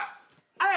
はい。